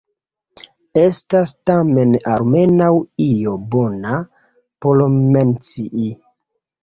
Estas tamen almenaŭ io bona por mencii.